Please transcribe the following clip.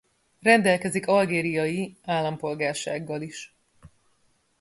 Rendelkezik algériai állampolgársággal is.